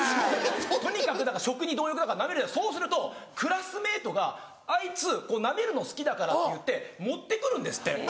とにかく食に貪欲だからなめるそうするとクラスメートが「あいつなめるの好きだから」っていって持って来るんですって。